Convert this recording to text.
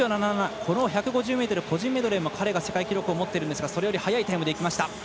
この１５０ｍ個人メドレーも彼も世界記録を持っているんですがそれより速いタイム。